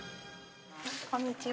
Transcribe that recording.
こんにちは。